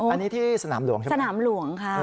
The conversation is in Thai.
อันนี้ที่สนามหลวงใช่ไหมสนามหลวงค่ะ